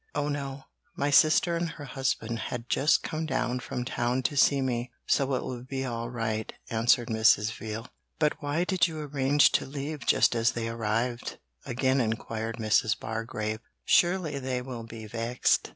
'Oh no! my sister and her husband had just come down from town to see me, so it will be all right,' answered Mrs. Veal. 'But why did you arrange to leave just as they arrived?' again inquired Mrs. Bargrave. 'Surely they will be vexed?'